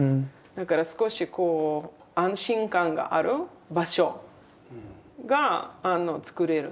だから少しこう安心感がある場所が作れる。